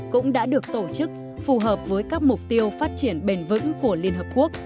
cũng đã được tổ chức phù hợp với các mục tiêu phát triển bền vững của liên hợp quốc